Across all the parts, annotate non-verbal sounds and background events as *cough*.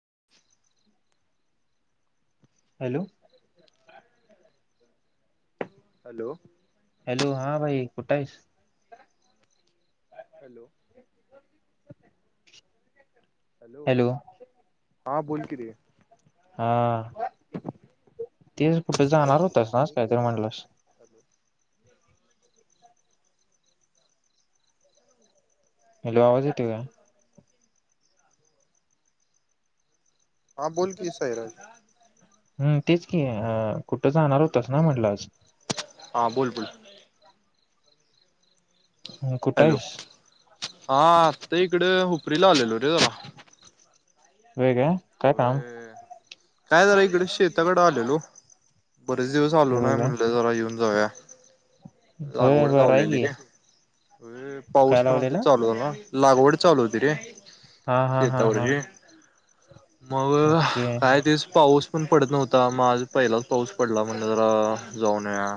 ह *inaudible* hello hello hello हा भाई कुठं आहेस? हॅलो हॅलो हा बोल की रे हां ते कुठे जाणार होतस ना आज काहीतरी म्हणलंस? हॅलो हॅलो आवाज येतोय काय? हा बोल कि साहिराज. हम् तेच कि आहे कुठं जाणार होतस ना म्हटलं आज हा बोल बोल हम कुठं हॅलो आहेस? हा आता इकडे हुपरीला आलेलो रे जरा. होय का काय काम? होय काय जरा इकडे शेताकडे आलेलो बरेच दिवस आलो होय नाही काय म्हटलं जरा येऊन जाऊया. होय लागवड बरं आहे लावलेली की रे काय पाऊस पण आता लावलेलं चालू झाला ना. लागवड चालू होती रे. हा हा हां शेतावरची मग काही दिवस पाऊस पण पडत नव्हता म आज पहिलाच पाऊस पडला म्हणल जरा जाऊन या.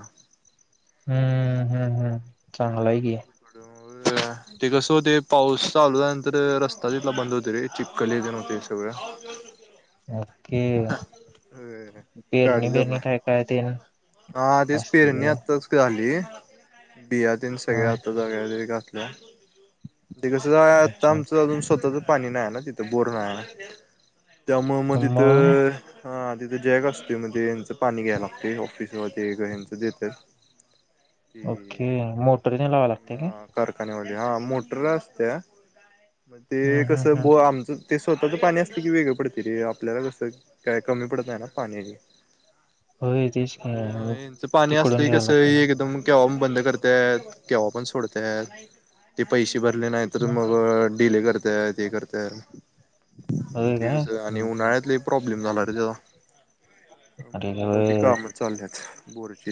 हम्म हम्म हम् चांगला आहे की. ते कसं होते पाऊस चालू झाल्यानंतर रस्ता तिथला बंद होत रे चिक्कल येते. ते सगळं *inaudible* के पेरणी गाडी जात बेरणी नाही काय काय ते. हा तेच असते पेरणी ते. आताच झााली बिया तेन हा सगळ आता जागारी कस आत्ता अच्छा आमच अजून स्वतःच पाणी नाही आहे ना तिथं बोर नाही त्यामुळं मग तिथं हा तिथे जॅग असतो मध्ये हचं पाणी घ्यायला लागते ऑफिसमध्ये हचं देत. ओके मोटर ने लावाय लागतेय रे. कावा हा मोटर असते ते हम्म कस हम्म हम्म बोर आमचं. ते स्वतःच पाणी असते की वेगळं पडते रे आपल्याला कसं काय कमी पडत नाही ना पाणी. होय. तेच अ की यांचं पाणी तिकडून असलं घ्यावं कस लागतं एकदम केव्हा बंद करताय केव्हा पण सोडतय ते पैसे भरले नाही तर मगं डिले करता ह ते करता हं होय ते काय कसं आणि उन्हाळ्यातले प्रॉब्लेम झाला र त्याचा. अरे म ती होय काम चाललेत बोरची.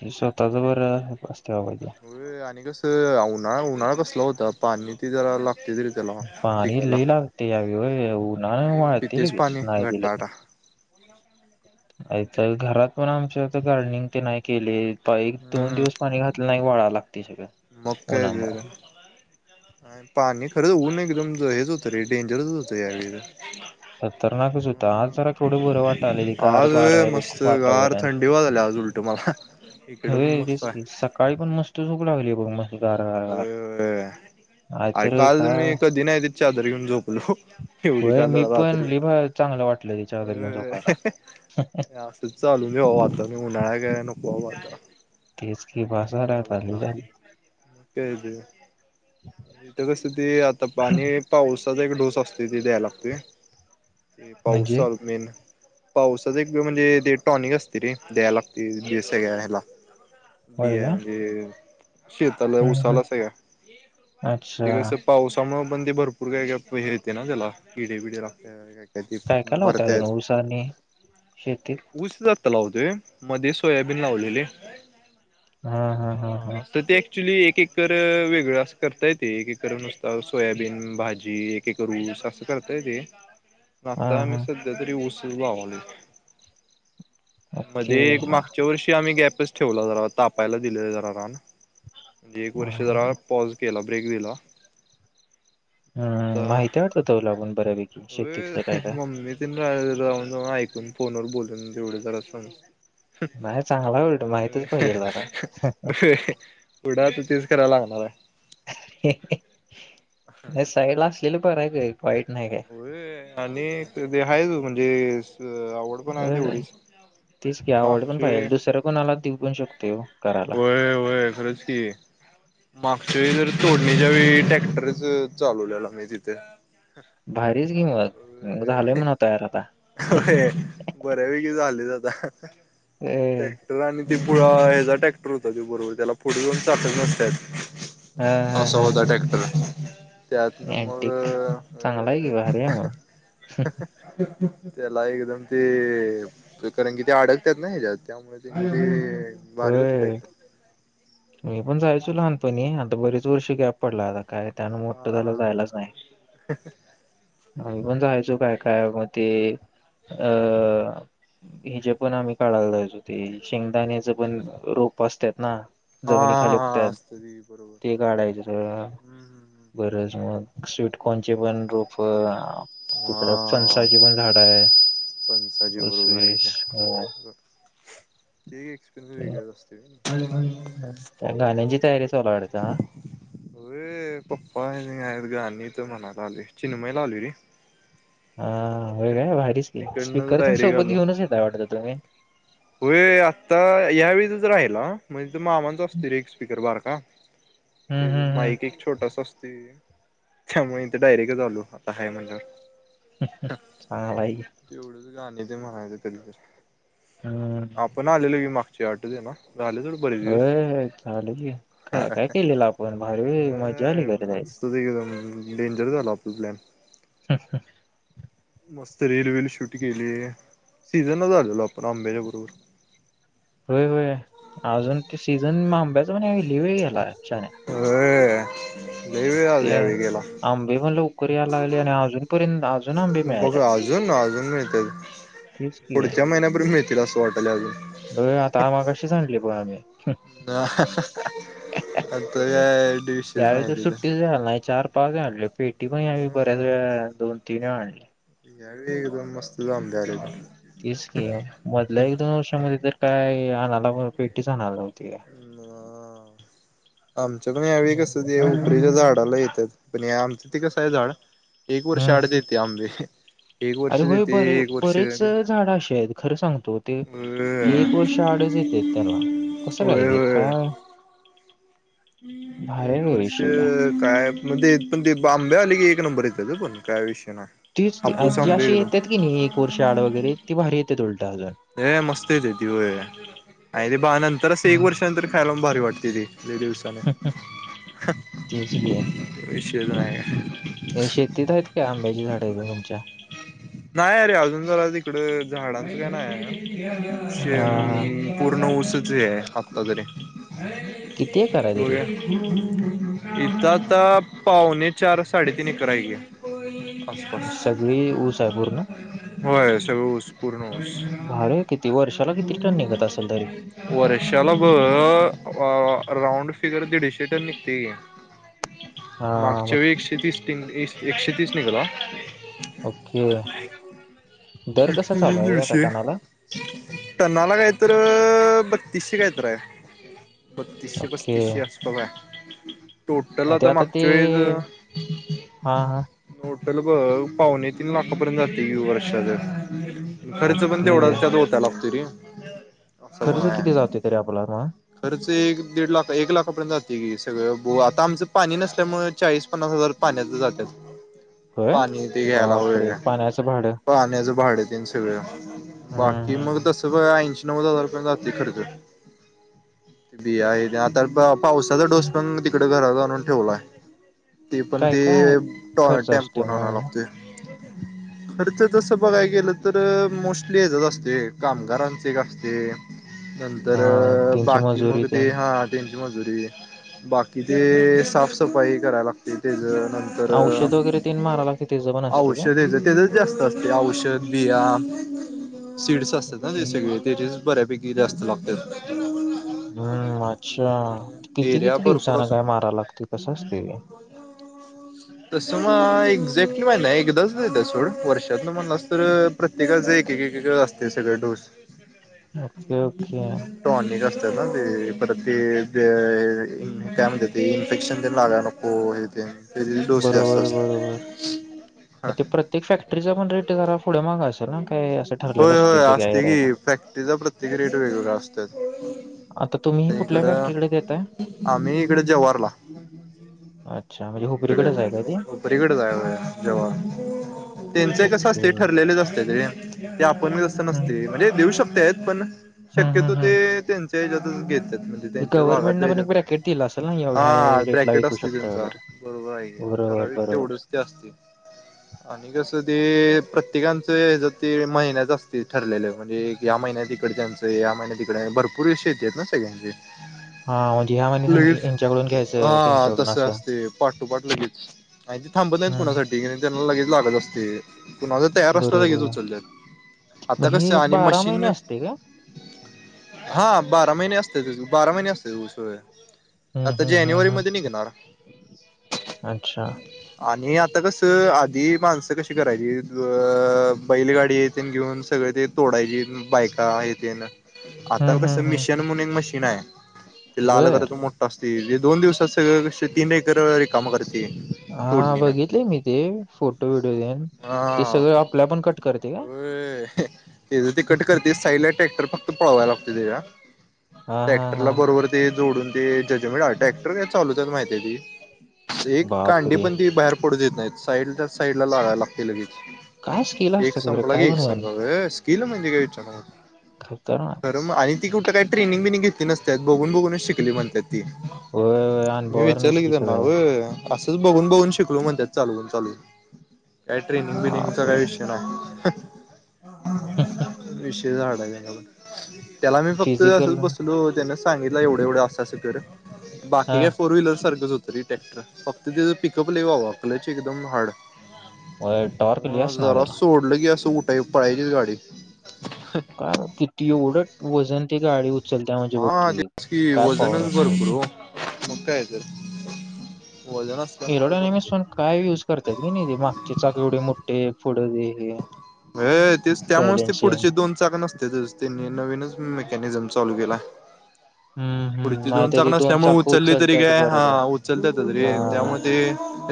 ते स्वतःच बरं असते बाबा ते होय आणि कसं उन्हाळा उन्हाळा कसला होता पाणी ते जरा ला रीतला पाणी पिकला लई लागते यावेळी होय उन्हानं वाळते पिततेच लगेच पाणी नाही दिलं घट्टा घट्टा. हॅलो तर घरात पण आमच्या तर गार्डनिंग ते नाही केले. एक दोन हम्म दिवस पाणी घातलं नाही वाळा मग काय जरा पाणी अरे ऊन्ह एकदम लयच होते रे डेंजरच होते यावेळाला. *inaudible* खतरनाकच होता आज जरा केवढं बरं वाट्यायालयं गार आज वारा आहे बघ वातावरण. तुम्हाला होय तेस की सकाळी पण मस्त झोप लागली. बघ मस्त गार गार गार होय होय, अरे नाहीतर काल काय मी कधी नाही ते चादर घेऊन झोप लो एवढी होय काल मी पण रात्री लई भारी चांगलं वाटलं ते चादर घेऊन झोपायला अ असं चालू देेवा आता उन्हाळा घ्या नको आता. तेच की कंटाळा बाजारात आला आली उन्हा, झाली मग काय तर. इथ कस ते आता पाणी पाऊस एक ढोस असते त द्यायला लागते पाऊस म्हणजे चा मेन. पावसाच एक म्हणजे ते टॉनिक असते रे द्यायला लागते सगळ्या हेला. *unintelligible* होय का म्हणजे शेताला हम्म उसाला हम्म सगळ्या अच्छा ते कसं पावसामुळं बंदे भरपूर काय का हे येते ना त्याला किडे बिडे लागण्यात. ते काय काय लावताय अजून मरत्यात ऊस आणि शेतीत ऊस जात लावतोय मध्ये सोयाबीन लावलेले. हा हा हा हा. ॲक्च्युली एक एककर वेगळं असं करता येते एक एककर नुसता सोयाबीन भाजी एककर ऊ स असं करता येते. हा आता आम्ही हा सध्या तरी ऊसच लावालोय. ओके मध्ये एक मागच्या वर्षी आम्ही गॅपच ठेवला जाणार तापायला दिले जरा राण. म्हणजे एक वर्ष जरा हम्म पॉज केला ब्रेक दिला. हम्म माहिती वाटत तो लागून बऱ्यापैकी. शेतीतलं काय अ काय मम्मी तेन जाऊन जाऊन ऐकून फोन वर बोलून तेवढं जरा समजतंय. नाही चांगला उलट माहितच पाहिजे जरा पुढं त तेच करायलागणार. तु साईड असलेलं बर आहे काय वाईट नाही काय. होय आणि ते ह आहे म्हणजे आवड पण आहे होय तेवढीच. तेच की आवड पण मागचे पाहिजे दुसऱ्या कोणाला देऊ पण शकतो ओ. करायला होय वय खरंच की. मागच्या वेळी जर तोडणीच्या वेळी ट्रॅक्टरच चालवलेला आम्ही तिथे. भारीच कि अ होय बऱ्यापैकी झाले आता. ए ट्रॅक्टर आणि ते पुळा ह्याचा ट्रॅक्टर होता ते बरोबर त्याला पुढे दोन चाकच हा नसतात. हा अस हा होता टॅक्टर त्यातनं मग अँटिक चांगला *unintelligible* त्याला एकदम ते कारण कि ते अडकतात ना हेच्यात त्यामुळे ते बारी होती होय टक्टर. मी पण जायचो लहानपणी आता बरेच वर्ष ग्याप पडला आता. काय त्यान मोठठं झालं हा जायलाच नाही. पण जायचो काय काय मग ते अ हि जे पण आम्ही काढायला जाच होते शेंगदाण्याच पण रोप असतात ना. हा जमिनी हा खाली हा उकतात असत ती बरोबर ते काढायचं सगळं हम्म हम्म बरच मग. स्वीटकनचे पण रूप, हम्म तिकड फणसाची पण झाडं आहे. पण साजी ऊस बरोबर आहे वीस का हो, एक्सपिरियनस वेगळेच असते. गाण्याची तयारी चालू आहे वाटतं अ. होय. पप्पा आहे गणी तर म्हणाला आले चिन्मय ला आवली रे. हा होय काय भारीच तिकडनंच स्पीकर डायरेक्ट सोबत घेऊनच येतय वाटत तुम्ही? हो आता यावेेळीचच राहिला, म्हणजे मामांच असतील रे एक स्पीकर बारका. हम्म ते हम्म हम्म माईक एक छोटस असतोय. त्यामुळे इथ डायरेक्ट आलो. हाय म्हणून. हा नाहीय. तेवढंच ते म्हणायच कधीरी हम्म आपण आलेल की मागच्या आठवते ना? झाले थोड बरे होय दिवस. होय चालू की काय काय केलेलं आपण भारी मजा आली अ खरं जायला मज तु तिकडं न, डेंजर झाला आपला प्लॅन. हा हा. मस्त रिलवील शूट केली. सीझनलाच आलेलो आपण आंब्याच्या बरोबर. व्हयं व्हयं, अजून ती सीझन आांब्याच क नाय लई वेळ हाय याला शान्या. होय लय वेळ आज ते यावेळी गेला आंबे पणं लवकर याला लागले आणि अजूनपर्यंत अजून आंबे बघू मिळाल्यात अजून अजून मिळतय तेच की पुढच्या महिन्यापर्यंत मिळतील असं वाटायलय अजून. होय आता मगाशीच आणले बघ आम्ही हा हा आताच्या यावेळी तर सुट्टीच झनय. चार पाच वेळा आणले, पेटी पण ह्या वेळेस बऱ्याच हम्म. अ दोन तीन वेळा आणली. या वेळी एकदम मस्त आंबे आलेत. तीच की, मधल्या एक दोन वर्षामध्ये तर काय आणायला पेटीच आणायला नव्हती. *inaudible* आमच्या पण यावेळी कसं ते हुपरीच्या झाडाला येत्यात, पण आमचं ते कसं आहे झाड एक वर्ष हम्म आड देते आंबे. एक वर्ष अरे होय, देते बरे एक वर्ष बरेच झाड अशी हायत खरं सांगतो, ते की एक होय वर्ष आड येत्यात त्याला, कसं काय होय रे? का होय. एक वर्ष विषयला काय म दे ते पण ते बाग आंबे आले की एक नंबर येत्यात पण काय विष तीच ती जी अशी येत्यात की नाही, एक वर्ष आड वगैरे ती भारी येत्यात उलट. अजून ए मस्त येत्याती व्हयं आणि ती बा नंतरच एक हं, वर्षानंतर खायलापणं भारी वाटत्याती. लई दिवसानं हा, तेच की विशेष हाय. एकदा तुमच्या नाही, अरे अजून जरा तिकड झाडांचं काय नाही हा हा हाय. पूर्ण ऊसच हे आत्ता तरी. किती एकर आहे तरी होय. इथं आता पावणे चार साडेतीन एकर हाय की. आसपास. सगळी ऊस आहे पूर्ण न? होय, सगळ ऊस पूर्ण ऊस. भारी आहे किती वर्षाला किती टन निघत असेल तरी वर्षाला बघ अ राऊंड फिगर दीडशे टन निघतंय की, हा मागच्या मग वेळी एकशे तीस तीन, एकशे तीस निघाला. ओके *inaudible* दर कसा चालू आहे आता दीडशे, टनाला टन्नाला काय तर बत्त त्तीसशे काय तर हाय. ब त्तीसशे ओके पस्तीसशे आसपास हाय. टोटल मग ते आता ते मागच्या वेळेस हा हा टो टलं बघ पावणे तीन लाखापर्यंत जातंय की वर्षाच. खर्च पण ओके तेवढाचं त्यात ओतायला लागतुयं रे. अस पण खर्च हाय. किती जाते तरी आपला मग खर्च एक दीड लाख, एक लाखापर्यंत जातंय की. सगळ, आता आमचं पाणी नसल्यामुळे चाळीस, पन्नास हजार पाण्यचं जात्यात. व्हयं, पाणी ते घ्यायला बाप पाण्याचं भाडं तेन सगळ, हम्म बाकी मग हम्म हम्म. तस काय ऐंशी नव्वद हजार पर्यंत जातोय खर्च, बिया हे तेन आता तर पावसाचा डोस पण तिकडं घरात आणून ठेवलाय. ते पण काय ते काय टॉ खर्च असतोय टेम्पोन मग आणायं आणि? लागतोयं. खर्च तसं बघाय गेलं तर मोस्टली हेजच असतयं, कामगारांच एक असतयं. नंतर हा त्यांची बाकी मग मजुरी ते तेन हा तेन मजुरी, बाकी ते साफसफाई करायला लागतयं तेज. नंतर औषध वगैरे तेन माराय लागते त्याचं पण असते काय? औषधच त्याच जास्त असते औषध बिया सीड्स असतात ना ते सगळे त्याजेच बऱ्यापैकी जास्त लागत्यात. हम्म अच्छा, किती एरिया किती भरपूर दिवसाला काय असतो. माराव लागते कसं असते हे? तस मग एक एक्झॅक्टली माहित नाही एकदाच देत्यात सोड वर्षातलं म्हणलास तर प्रत्येकाचं एकेक एकेक वेळ असते सगळं डोस, ओके ओके टाॅनीक असतात ना ते परत ते काय म्हणत्यात ते इन्फेक्शन तेन लागाय नको हे तेन. ते डोस जास्त बरोबर बरोबर असत्यात. मग ते प्रत्येक फॅक्टरीचा पण रेट जरा पुढं माग असंल ना काय असं ठरलेलं होय असतो होय सगळ्या असते एरियाचा की फॅक्टरीचा प्रत्येक रेट वेगवेगळा असत्यात. आता तुम्ही कुठल्या फॅक्टरीकडे देत आम्ही इकड जवाहरला अच्छा म्हणजे इकड हुपरीकडेच आहे का ते? हुपरीकडेच हाय होय जवाहर त्यांच एक कसं ओके. असतंय ठरलेलेच असते रे. ते आपण व्यवस्था हं, नसते म्हणजे देऊ शकतेत पण हं, हं, शक्यतो ते हं. त्यांचे घेत्यात म्हणजे त्यांच्या भागात गव्हर्नमेंटनं पण द्यायच्या एक ब्रॅकेट दिलं असेल ना या ह्या ह्या हा रेटला ब्रॅन्केट विकू असते शकता त्यांचा वगैरे. बरोबर आहे बरोबर, ठरावीक. बरोबर. तेवढच असतय आणि कसं. ते प्रत्येकांचं हेज ते महिन्याच असते ठरलेलं म्हणजे, या महिन्यात हिकड जायचंय त्यां महिन्यात तिकडे भरपूर विषय येत्यात हा सगळ्यांचे हां म्हणजे ह्या महिन्यात लगेच ह्या ह्यांच्याकडून घ्यायचं हा त्यांच्याकडून तस असं. असते पार्ट टू पार्ट लगेच, आणि ते थांबत नाहीत, हं. कुणासाठी त्यांना लगेच लागत असते. माझ तयार असल की लगेच बरोबर. उचलत्यात मग आता कसं हे आणि मशीन महिने असते का? हा बारा महिने असत. बारा महिने असतात ऊस वगैरे हं, आता हं, हं, जानेवारी हं. मध्ये निघणार. अच्छा आणि आता कसं आधी माणसं कशी करायची बैलगाडी तेन घेऊन सगळे ते तो डायचीत बायका हे तेन हं, आता कस हं, हं. मिशन म्हणून एक मशीन आहे ते लाल कलरच बरं. मोठं असतय. ते दोन दिवसात सगळं तीन एकर रिकाम करते. हा तोडणीनं बघितले मी ते फोटो व्हिडिओ तेन ते हा सगळं आपल्या आपण कट करते का? तेज ते कट करते साईडला ट्रॅक्टर फक्त पळवायला लागते त्याच्या हां, हां, ट्रॅक्टरला हां. बरोबर ते, जोडून ते जजमेट ट्रक्टर चालूच आहेत. माहिती ती एक कांडी बापरे! पण ती बाहेर पडू देत नाहीत. साईड ला साईड ला लावायला लागतय काय स्किल लगेच. एक असतात खरं संपला की काय एक बनवायला? समजा होय असं गेलं म्हणजे काय विचारू नकोस खतरनाक खर मग आणि ती कुठं काय ट्रेनिंग बिनिंग ती नसत्यात बघून बघूनच शिकली म्हणतात ती होय मी अनबॉवरनच विचारलं किं की त्याना सगळं होय. असंच बघून बघून शिकलो म्हणत्यात चालवून चालवून काय ट्रेनिंग बिनिंगचा काय बापरे विषय नाही विषय झाल. त्याला मी फक्त असंच फिजिकल बसलो त्याने सांगितलं एवढं एवढं असं असं कर. हा बाकी काय फोर व्हीलर सारखंच होत. तरी टॅक्टर फक्त तेज पिकअप लइ बाबा. कलच एकदम हार्ड. होय टॉर्क लय तेव्हा असणार जरा त्याला सोडलं की असं उठा पळायचीचं गाडी. काय किती एवढं वजन ती गाडी उ हा तेच की वजनचं असेल भरपूर ओ. मग काय तर वजन एरोड असल्यामुळे अनिमिस भरपूर पण काय युज करत्यात कने रे. मागचे चाक एवढे मोठे, फुढं हे अ तेच त्यामुळच ते बॅलेन्सिंग पुढचे दोन चाक नसत्यातच त्यांनी नवीनच मेकॅनिझम चालू केलाय. हम. पुढची दोन चाक नसल्यामुळ उचलली तरी काय बरं हा का. उचलत्यातच रे हा तेत्याच्यामुळं ते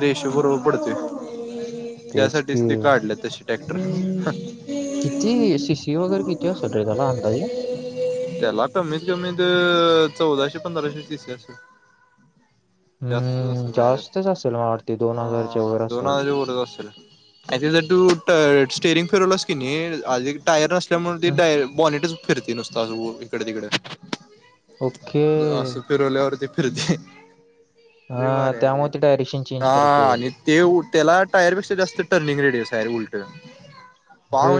रेश गौरव पडतंय तेच की त्यासाठीच ते काढलेत तसे टॅक्टर किती सी सी वगैरे किती असेल रे त्याला अंदाजे? त्याला कमीत कमीत चौदाशे पंधराशे शी शी असलं. जास्तच हम्म असल नाही त्यला. जास्तच असेल मला वाटते दोन हजारच्या वर अ असेल दोनहजारच्या वरच असल. जर तू ट स्टेरिंग फिरवलांस की नइ अज एक टायर अस च्यामुळे ती डाय बॉनेटच फिरतय नुसतं असं ब इकडं तिकडं ओके असं फिरवल्यावरती फिरतंय लई हां, भारी हाय आरे त्यामुळे ती डायरेक्शन चेंज हा करते. आणि ते त्याला टायरपेक्षा जास्त टर्निंग रेड साय उलट पा होय काय?